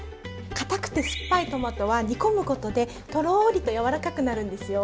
かたくて酸っぱいトマトは煮込むことでとろりとやわらかくなるんですよ。